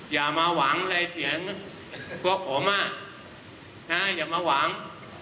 อย่ามาหวังอะไรเสียงพวกผมอ่ะฮะอย่ามาหวัง